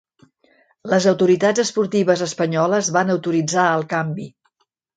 Les autoritats esportives espanyoles van autoritzar el canvi.